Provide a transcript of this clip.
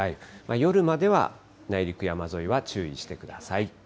夜までは内陸、山沿いは注意してください。